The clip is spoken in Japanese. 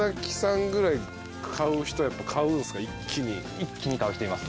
一気に買う人います。